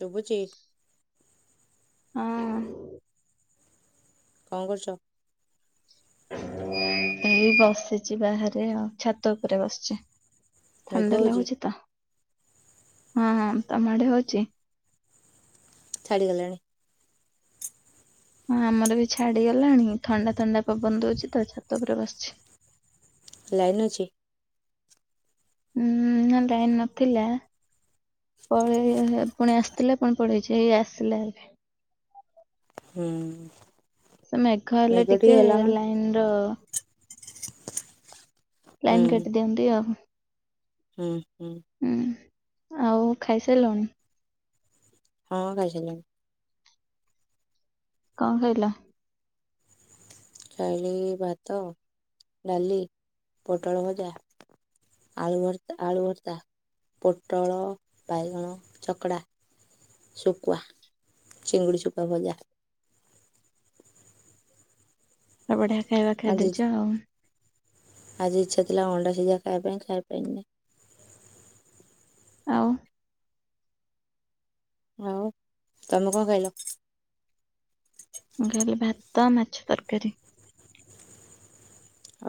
ଶୁଭୁଚି। ହଁ। କଣ କରୁଚ? ଏଇ ବସିଚି ବାହାରେ ଆଉ ଛାତ ଉପରେ ବସିଚି। ମେଘ ଥଣ୍ଡା ହଉଛି ଲାଗୁଛି ତ ହଁ ହଁ ତମ ଆଡେ ହଉଚି। ଛାଡ଼ିଗଲାଣି। ହଁ ଆମର ବି ଛାଡିଗଲାଣି ଥଣ୍ଡା ଥଣ୍ଡା ପବନ ଦଉଚି ତ ଛାତ ଉପରେ ବସିଛି। ଲାଇନ୍ ଅଛି। ଉଁ ନା ଲାଇନ୍ ନଥିଲା। ପଳେଇ [unintelligible] ପୁଣି ଆସିଥିଲା ପୁଣି ପଳେଇଚି ଏଇ ଆସିଲା ଏବେ। ହୁଁ। ସେ ମେଘ ହେଲେ ଟିକେ ଲାଇନ୍ ର। ଲାଇନ୍ ହୁଁ କାଟିଦିଅନ୍ତି ଆଉ। ହୁଁ ହୁଁ। ହୁଁ। ଆଉ ଖାଇସାରିଲଣି? ହଁ ଖାଇସାରିଲିଣି। କଣ ଖାଇଲ? ଖାଇଲି ଭାତ, ଡାଲି, ପୋଟଳ ଭଜା। ଆଳୁ ଭର୍ତ ଆଳୁ ଭର୍ତ୍ତା। ପୋଟଳ, ବାଇଗଣ ଚକଡ଼ା। ଶୁକୁଆ, ଚିଙ୍ଗୁଡ଼ି, ଶୁକୁଆ ଭଜା। ଆ ବଢ଼ିଆ ଖାଇବା ଆଜି ଖାଇଦେଇଚ ଆଉ। ଆଜି ଇଚ୍ଛା ଥିଲା ଅଣ୍ଡା ସିଝା ଖାଇବା ପାଇଁ ଖାଇପାଇନି। ଆଉ। ଆଉ ତମେ କଣ ଖାଇଲ? ମୁଁ ଖାଇଲି ଭାତ, ମାଛ ତରକାରୀ।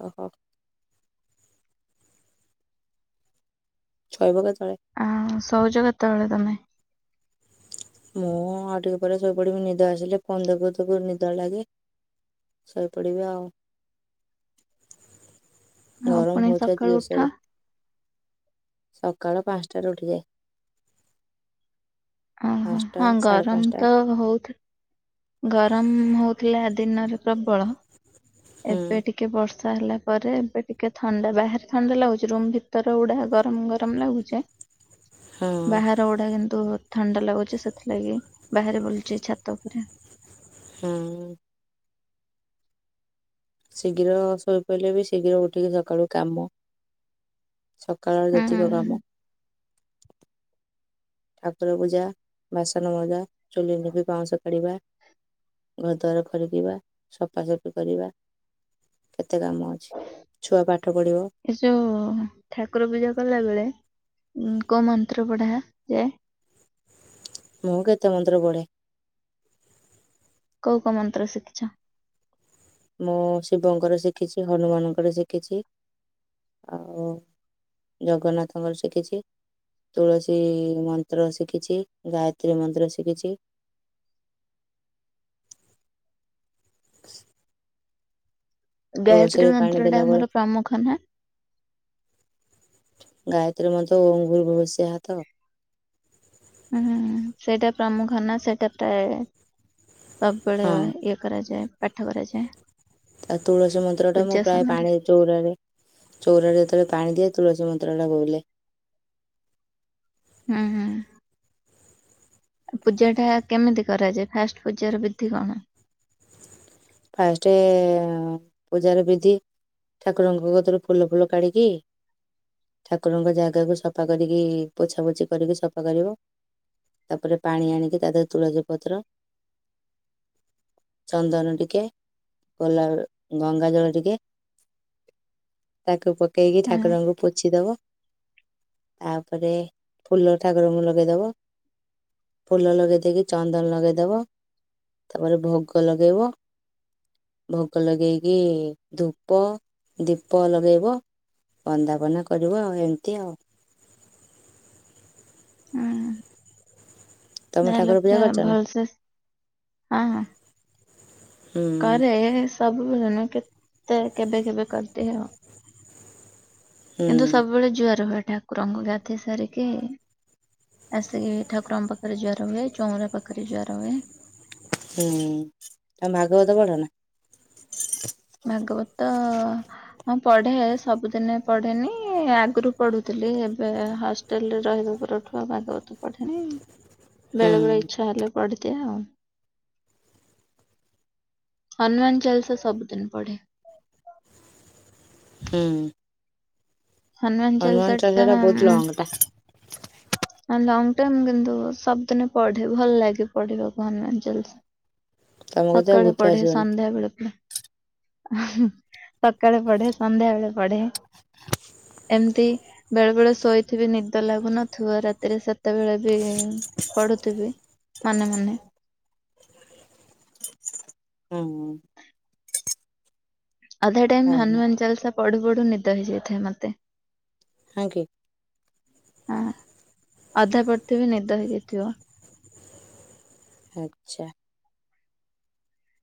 ଓହୋ। ଛୋଇବ କେତେ ବେଳେ? ଆଉ ଶଉଚ କେତେବେଳେ ତମେ? ମୁଁ ଆଉ ଟିକେ ପରେ ଶୋଇପଡ଼ିମି ନିଦ ଆସିଲେ ଫୋନ୍ ଦେଖୁ ଦେଖୁ ନିଦ ଲାଗେ। ଶୋଇପଡ଼ିବା ଆଉ। ହଁ ଗରମ ପୁଣି ହଉଛି ଆଜି ସକାଳୁ ଜୋରସୋରେ ଉଠ। ସକାଳ ପାଞ୍ଚଟାରେ ଉଠିଯାଏ। ଓହୋ। ପାଞ୍ଚଟା ହଁ ସାଢ଼େ ଗରମ ପାଞ୍ଚଟା ତ ହଉଥ ଗରମ ହଉଥିଲା ଦିନରେ ପ୍ରବଳ ହୁଁ ଏବେ ଟି କେ ବର୍ଷା ହେଲା ପରେ ଏବେ ଟିକେ ଥଣ୍ଡା ବାହାରେ ଥଣ୍ଡା ଲାଗୁଚି ରୁମ୍ ଭିତର ଗୁଡ଼ା ଗରମ ଗରମ ଲାଗୁ ଚେ ହଁ ବାହା ର ଗୁଡ଼ା କିନ୍ତୁ ଥଣ୍ଡା ଲାଗୁଚି ସେଥିଲାଗି ବାହାରେ ବୁଲୁଚି ଛାତ ଉପରେ। ହୁଁ। ଶୀଘ୍ର ଶୋଇପଇଲେ ବି ଶୀଘ୍ର ଉଠିକି ସକାଳୁ କାମ। ସକାଳର ଯେତିକ ହୁଁ। କାମ। ଠାକୁର ପୂଜା, ବାସନ ମଜା। ଚୁଲି ନିପି ପାଉଁଶ କାଢ଼ିବା, ଘରଦ୍ୱାର ଖରିକିବା, ସଫାସଫି କରିବା। କେତେ କାମ ଅଛି। ଛୁଆ ପାଠ ପଢ଼ିବ। ଏ ଯୋଉ ଠାକୁର ପୂଜା କଲା ବେଳେ ଉଁ କୋଉ ମନ୍ତ୍ର ପଢା ଯାଏ? ମୁଁ କେତେ ମନ୍ତ୍ର ପଢେ। କୋଉ କୋଉ ମନ୍ତ୍ର ଶିଖୀଛ? ମୁଁ ଶିବଙ୍କର ଶିଖିଛି। ହନୁମାନଙ୍କର ଶିଖିଛି ଆଉ। ଜଗନ୍ନାଥଙ୍କର ଶିଖିଛି। ତୁଳସୀ ମନ୍ତ୍ର ଶିଖିଛି। ଗାୟତ୍ରୀ ମନ୍ତ୍ର ଶିଖିଛି। ଗାୟତ୍ରୀ ତୁଳସୀରେ ପାଣି ମନ୍ତ୍ର ଟା ଦେଲା ବେଳେ ଆମର ପ୍ରାମୁଖ ନା? ଗାୟତ୍ରୀ ମ‍ନ୍ତ ଓ଼ମଂ ଭୁର ଭୁବସ୍ୱାହା ତ? ହୁଁ ହୁଁ ସେଇଟା ପ୍ରମୁଖ ନା ସେଇଟା ପ୍ରାଏ ସବ୍ ବେଳେ ହଁ ଇଏ। କରାଯାଏ ପାଠ କରାଯାଏ। ତା ତୁଳସୀ ମନ୍ତ୍ର ଟା ମୁଁ ପୂଜା ପ୍ରାୟ ସମୟରେ ପାଣି। ଚଉରାରେ ଚଉରାରେ ଯେତେବେଳେ ପାଣି ଦିଏ ତୁଳସୀ ମନ୍ତ୍ର ଟା ବୋଲେ। ହୁଁ ହୁଁ। ପୂଜା ଟା କେମିତି କରାଯାଏ ଫାଷ୍ଟ୍ ପୂଜାର ବିଧି କଣ? ଫାଷ୍ଟେ ପୂଜାର ବିଧି। ଠାକୁରଙ୍କ କତିରୁ ଫୁଲ ଫୁଲ କାଢ଼ିକି। ଠାକୁରଙ୍କ ଜାଗାକୁ ସଫା କରିକି ପୋଛାପୋଛି କରିକି ସଫା କରିବ। ତାପରେ ପାଣି ଆଣିକି ତା ଦେହରେ ତୁଳସୀ ପତ୍ର। ଚନ୍ଦନ ଟି। କା କୋଲା ଗଙ୍ଗା ଜଳ ଟିକେ। ତାକୁ ପକେଇକି ହୁଁ ଠାକୁରଙ୍କୁ ପୋଛିଦବ। ତାପରେ ଫୁଲ ଠାକୁରଙ୍କୁ ଲଗେଇଦବ। ଫୁଲ ଲଗେଇ ଦେଇକି ଚନ୍ଦନ୍ ଲଗେଇଦବ ତାପରେ ଭୋଗ ଲଗେଇବ। ଭୋଗ ଲଗେଇକି ଧୂପ ଦୀପ ଲଗେଇବ। ବନ୍ଦାପନା କରିବ ଆଉ ଏମ୍ତି ଆଉ। ହୁଁ ତମେ ଯା ହେଲେ ଠାକୁର ପୂଜା ପୁରା କରିଛ ନା ଭଲ୍ ସେ ହଁ ହ। ହୁଁ କରେ ସବୁବେଳେ ନୁହଁ କେତେ କେବେ କେବେ କରିଦିଏ ଆଉ। ହୁଁ କିନ୍ତୁ ସବୁବେଳେ ଜୁଆର ହୁଏ ଠାକୁରଙ୍କୁ ଗାଧୋଇ ସାରିକି। ଆସିକିି ଠାକୁରଙ୍କ ପାଖରେ ଜୁହାର ହୁଏ ଚଉଁରା ପାଖରେ ଯୁଆର ହୁଏ। ହୁଁ ତମେ ଭାଗବତ ପଢ଼ ନା? ଭାଗବତ। ହଁ ପଢେ ସବୁଦିନେ ପଢେନି ଆଗରୁ ପଢୁଥିଲି ଏବେ ହସ ଟେଲ୍ ରେ ରହିବା ପରଠୁ ଆଉ ଭାଗବତ ପଢେନି ହୁଁ ବେଳେ ବେଳେ ଇଚ୍ଛା ହେଲେ ପଢିଦିଏ ଆଉ। ହନୁମାନ୍ ଚାଳିସା ସବୁଦିନ୍ ପଢେ। ହୁଁ। ହନୁମାନ ଚାଳିଶା ହନୁମାନ୍ ଚାଳିଷାଟା ବହୁତ୍ ଲଙ୍ଗ୍ ଟା। ଲଙ୍ଗ୍ ଟମ୍ କିନ୍ତୁ ସବୁଦିନେ ପଢେ ଭଲ ଲାଗେ ପଢିବାକୁ ହନୁମାନ ଚାଳିଶା। ତମ କତିରେ ସକାଳେ ଭୂତ ପଢେ ଆସିବନି ସନ୍ଧ୍ୟାବେଳେ ପଢେ। ସକାଳେ ପଢେ ସନ୍ଧ୍ୟାବେଳେ ପଢେ। ଏମିତି ବେଳେ ବେଳେ ଶୋଇଥିବି ନିଦ ଲାଗୁନଥିବ ରାତି ତିରେ ସେତେ ବେଳେ ବି ପଢୁଥିବି ମନେ ମନେ। ହୁଁ ହୁଁ। ଅଧା ଟାଇମ୍ ହଉ ହନୁମାନ ଚାଲିସା ପଢୁ ପଢୁ ନିଦ ହେଇଯାଇଥାଏ ମତେ। ହଁ କି। ହଁ ଅଧା ପଢିଥିବି ନିଦ ହେଇଯାଇଥିବ। ଆଛା।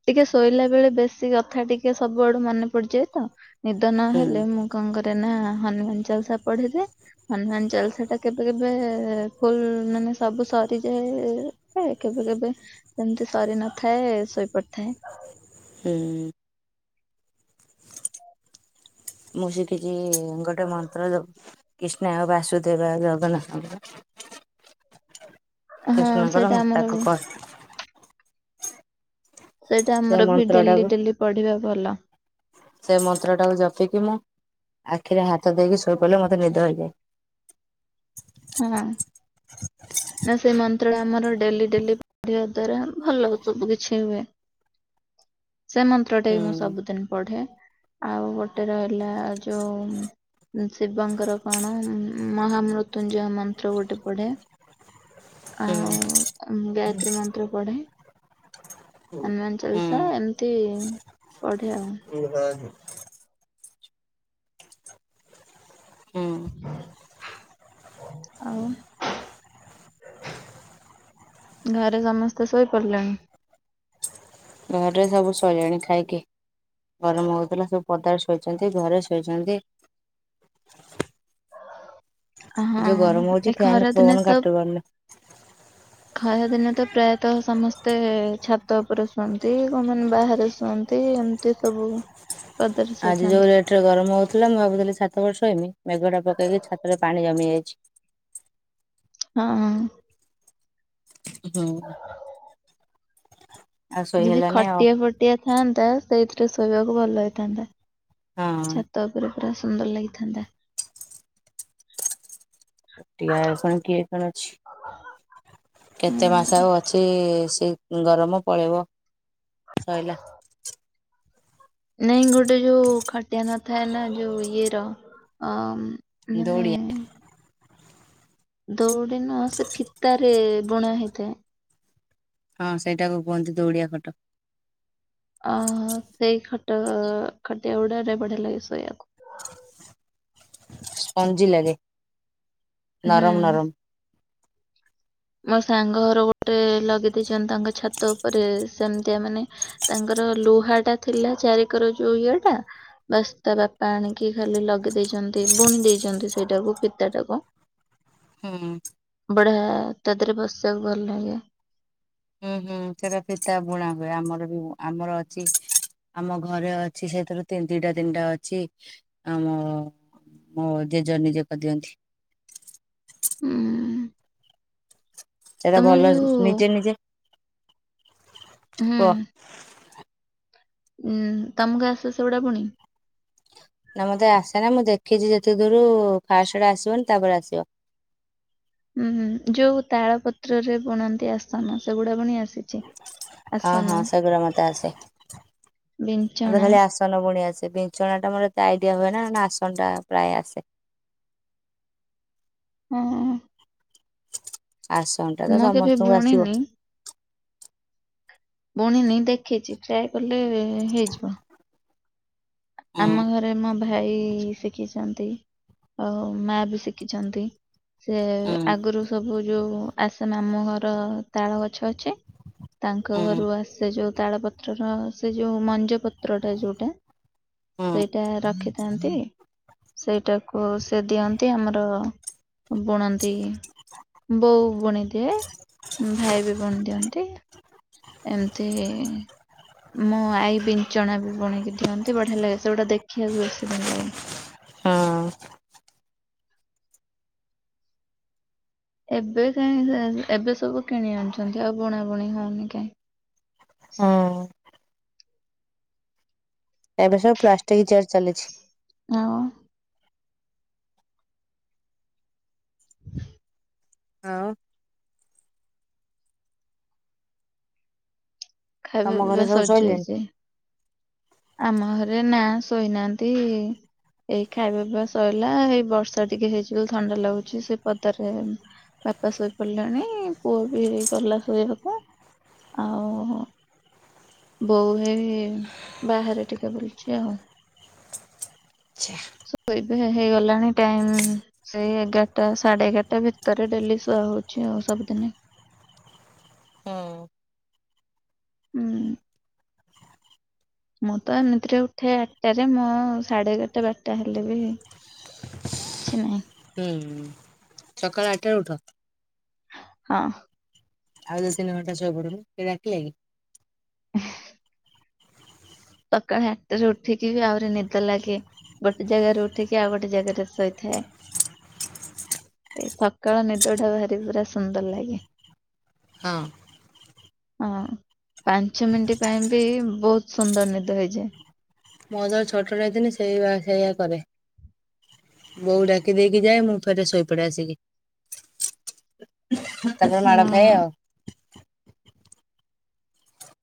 ଟିକେ ଶୋଇଲା ବେଳେ ବେଶୀ କଥା ଟିକେ ସବୁଆଡୁ ମନେ ପଡିଯାଏ ତ ନିଦ ନ ହୁଁ ହେଲେ ମୁଁ କଣ କରେ ନା ହନୁମାନ ଚାଲିସା ପଢିଦେ ହନୁମାନ ଚାଲିସା ଟା କେବେ କେବେ ଫୁଲ ମାନେ ସବୁ ସରିଯାଏ କେବେ କେବେ ଏମିତି ସରି ନଥାଏ ଶୋଇପଡିଥାଏ। ହୁଁ। ମୁଁ ଶିଖିଛି ଗୋଟେ ମନ୍ତ୍ର ଯଉ କ୍ରିଷ୍ଣାୟ ବାସୁଦେବାୟ ଜଗନ୍ନାଥଙ୍କର। ହଁ କୃଷ୍ଣଙ୍କର ସେଟା ଆମର ମସ୍ତାକ ବି। କର ସେଟା ସେ ଆମର ବି ମନ୍ତ୍ର ଡେଲି ଟାକୁ ଡେଲି ପଢିବା ଭଲ। ସେ ମନ୍ତ୍ର ଟାକୁ ଜପିକି ମୁଁ ଆଖିରେ ହାତ ଦେଇକି ଶୋଇପଡ଼ିଲେ ମୋତେ ନିଦ ହେଇଯାଏ। ହଁ ନା ସେ ମନ୍ତ୍ରଟା ଆମର ଡେଲି ଡେଲି ପଢିବା ଦ୍ଵାରା ଭଲ ସବୁ କିଛି ହୁଏ ସେ ମନ୍ ନ୍ତ୍ରଟା ହୁଁ ବି ମୁଁ ସବୁଦିନି ପଢେ। ଆଉ ଗୋଟେ ରହିଲା ଯୋଉ ଶିବଙ୍କର କଣ ମହାମୃ ମୃତୁଞ୍ଜୟ ମନ୍ତ୍ର ଗୋଟେ ପଢେ ହୁଁ ଆଉ ଗାୟତ୍ରୀ ମନ୍ତ୍ର ପଢେ। ହୁଁ ହନୁମାନ ଚାଲିସା ଏମିତି ପଢେ ଆଉ। ହୁ ହା ନୀ ହୁଁ। ଆଉ। ଘରେ ସମସ୍ତେ ଶୋଇପଡ଼ିଲେଣି। ଘରେ ସବୁ ଶୋଇଲେଣି ଖାଇକି। ଗରମ ହଉଥିଲା ସବୁ ପଦାରେ ଶୋଇଚନ୍ତି ଘରେ ଶୋଇଚନ୍ତି। ହଁ ଏ ହଁ ଯୋଉ ଗରମ ହଉଛି ଏଇ ଫ୍ୟାନ ଖରା ଦିନେ ପବନ ତ କାଟୁ ପାରୁନି ଖରା ଦିନେ ତ ପ୍ରାୟତଃ ସମସ୍ତେ ଛାତ ଉପରେ ଶୁଅନ୍ତି। କଉମାନେ ବାହାରେ ଶୁଅନ୍ତି ଏମି ତି ସବୁ। ପଦାରେ ଆଜି ଯୋଉ ଶୋଇଥାନ୍ତି ରେଟ ରେ ଗରମ ହଉଥିଲା। ମୁଁ ଭାବୁଥିଲି ଛାତ ଉପରେ ଶୋଇମି। ମେଘ ଟା ପକେଇକି ଛାତରେ ପାଣି ଜମି ଯାଇଛି। ହଁ। ହୁଁ। ଆଉ ଶୋଇ ଯଦି ହେଲାନି ଆଉ ଖଟିଆ ଫଟିଆ ଥାଆନ୍ତା ସେଇଥିରେ ଶୋଇବାକୁ ଭଲ ହେଇଥାନ୍ତା ହଁ ଛା ତ ଉପରେ ପୁରା ସୁନ୍ଦର ଲାଗିଥାନ୍ତା। ଖଟିଆ ଫୁଣୀ କିଏ କଣ ଅଛି ଉଁ କେତେ ମାସ ଆଉ ଅ ଛି ସେ ଗରମ ପଳେଇବ ଶଇଲା। ନାଇଁ ଗୋଟେ ଯୋଉ ଖଟିଆ ନଥାଏ ନା ଯୋଉ ଇଏର ଅ ମାନେ ଦୌଡିଆ ଦୌଡି ନୁଅ ସେ ଫିତାରେ ବୁଣା ହେଇଥାଏ। ହଁ ସେଇଟାକୁ କୁହନ୍ତି ଦୌଡିଆ ଖଟ। ଆଉ ସେଇ ଖଟ ଖଟିଆ ଗୁଡାରେ ବଢିଆ ଲାଗେ ଶୋଇବାକୁ। ସଞ୍ଜି ଲାଗେ ହୁଁ। ନରମ ନରମ। ମୋ ସାଙ୍ଗ ଘର ଗୋଟେ ଲଗେଇ ଦେଇଛନ୍ତି ତାଙ୍କ ଛାତ ଉପରେ ସେମିତିଆ ମାନେ ତାଙ୍କର ଲୁହା ଟା ଥିଲା ଚାରିିକର ଯୋଉ ଇଏ ଟା ବାସ୍ ତା ବାପା ଆଣିକି ଖାଲି ଲଗେଇ ଦେଇଚନ୍ତି ବୁଣି ଦେଇଚନ୍ତି ସେଇଟାକୁ ଫିତା ଟାକୁ। ହୁଁ ବଢିଆ ତା ଦେହରେ ବସିବାକୁ ଭଲ ଲାଗେ ହୁଁ ହୁଁ ସେଇଟା ଫିତା ବୁଣା ହୁଏ ଆମର ବି ଆମର ଅଛି ଆମ ଘରେ ଅଛି ସେଥିରୁ ତିନି ଦିଟା ତିନିଟା ଅଛି ଆମ ମୋ ଜେଜ ନିଜେ କରି ଦିଅନ୍ତି ହୁଁ ସେଟା ଭଲ ଯୋଉ ନିଜେ ନିଜେ ହୁଁ କୁହ ଉଁ ତମକୁ ଆସେ ସେଗୁଡା ବୁଣି ନା ମତେ ଆସେନା ମୁଁ ଦେଖିଛି ଯେତେ ଦୂରୁ ଫାଷ୍ଟ ଆଡେ ଆସିବନି ତାପରେ ଆସିବ। ହୁଁ ହୁଁ ଯୋଉ ତାଳ ପତ୍ରରେ ବୁଣନ୍ତି ଆସନ ସେଗୁଡା ବୁଣି ଆସି ହଁ ହଁ ସେ ଗୁଡା ମତେ ଆସେ ମତେ ବିଞ୍ଚଣା ଖାଲି ଆସ ଆସନ ବୁଣି ଆସେ ବିଛଣା ଟା ମୋର ଏତେ ଆଇଡିଆ ହୁଏ ନା ନା ଆସନ ଟା ପ୍ରାୟ ଆସେ। ହଁ। ଆସନଟା ତ ମୁଁ କେବେ ସମସ୍ତଙ୍କୁ ଆସିବ। ବୁଣିନି ବୁଣିନି ଦେଖିଛି ଟ୍ରାଏ କଲେ ହେଇଯିବ। ହୁଁ ଆମ ଘରେ ମୋ ଭାଇ ଶିଖିଛନ୍ତି ଆଉ ମା ବି ଶିଖିଛନ୍ତି। ସେ ହୁଁ ଆଗରୁ ସବୁ ଯୋଉ ଆସେ ମାମୁଁ ଘର ତାଳ ଗଛ ଅଛି। ତାଙ୍କ ହୁଁ ଘରୁ ଆସେ ଯୋଉ ତାଳ ପତ୍ରର ସେ ଯୋଉ ମଞ୍ଜ ପତ୍ରଟା ଯୋଉଟା ହୁଁ। ସେଇଟା ରଖିଥାନ୍ତି ସେଇଟାକୁ ସେ ଦିଅନ୍ତି ଆମର ବୁଣନ୍ତି। ବୋଉ ବୁଣିଦିଏ ଭାଇ ବି ବୁଣି ଦିଅନ୍ତି। ଏମତି ମୋ ଆଈ ବି ଚଣା ବି ବୁଣକି ଦିଅନ୍ତି ବଢିଆ ଲାଗେ ସେଗୁଟା ଦେଖିବାକୁ ବେଶୀ ଭଲ ଲାଗେ। ହଁ। ଏବେ କାହିଁ ଏବେ ସବୁ କିଣି ଆଣିୁଛନ୍ତି ଆଉ ବୁଣାବୁଣି ହଉନି କାଇଁ? ହଁ ଏବେ ସବୁ ପ୍ଲାଷ୍ଟିକି ଚେୟାର ଚାଲିଛି। ଆଉ ହଁ। ଖାଇବା ତମ ଘରେ ପିଇବା ସବୁ ଶୋଇଲେଣି? ସରିଯାଇଛି। ଆମ ଘରେ ନା ଶୋଇନାହାନ୍ତି। ଏଇ ଖାଇବା ପିଇବା ସଇଲା ଏଇ ବର୍ଷା ଟିକେ ହେଇଛି ବୋଲି ଥଣ୍ଡା ଲାଗୁଛି ସେ ପଦାରେ ବାପା ଶୋଇପଡ଼ିଲାଣି ପୁଅ ବି ଗଲା ଶୋଇବାକୁ। ଆଉ ବୋଉ ହେଇ ବାହାରେ ଟିକେ ବୁଲଚି ଆଉ। ଆଚ୍ଛା। ଶ ବା ପା ହେଇଗଲାଣି ଟାଇମ। ସେଇ ଏଗାରଟା ସାଢେ ଏଗାରଟା ଭିତରେ ଡେଲି ଶୁଆ ହଉଛି ଆଉ ସବୁଦିନେ। ହଁ। ହୁଁ ମୁଁ ତ ଏମିତିରେ ଉଠେ ଆଠଟାରେ ମୋ ସାଢେ ଏଗାରଟା ବାରଟା ହେଲେ ବି କିଛି ନାହିଁ। ହୁଁ ସକାଳ ଆଠ ଟାରେ ଉଠନ୍ତି। ହଁ। ଆଉ ଦି ତିନି ଘଣ୍ଟା ଶୋଇ ପଡୁନୁ କିଏ ଡାକିଲା କି? ହୁଁ ସକାଳେ ଆଠରେ ଉଠିକି ବି ଆହୁରି ନିଦ ଲାଗେ। ଗୋଟେ ଜାଗାରେ ଉଠିକି ଆଉ ଗୋଟେ ଜାଗାରେ ଶୋଇଥାଏ। ଏ ସକାଳ ନିଦଟା ଭାରି ପୁରା ସୁନ୍ଦର ଲାଗେ। ହଁ। ହଁ ପାଞ୍ଚ ମିନିଟ ପାଇଁ ବି ବହୁତ ସୁନ୍ଦର ନିଦ ହେଇଯାଏ। ମୁଁ ଯେତେବେଳେ ଛୋଟଟାଏ ହେଇଥିନି ସେଇ ସେଇଆ କରେ। ବୋଉ ଡାକିଦେଇକି ଯାଏ ମୁଁ ଫେରେ ଶୋଇପଡେ ଆସିକି। ତାପରେ ମାଡ ଖାଏ ହୁଁ। ଆଉ।